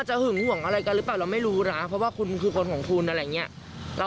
ใช่ค่ะเอาลองฟังน้องมอสหน่อยนะคะ